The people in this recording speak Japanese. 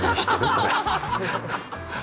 これ。